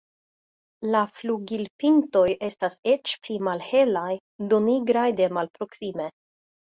La flugilpintoj estas eĉ pli malhelaj, do nigraj de malproksime.